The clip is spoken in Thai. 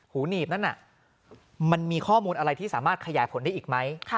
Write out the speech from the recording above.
หูหนีบนั้นมันมีข้อมูลอะไรที่สามารถขยายผลได้อีกไหม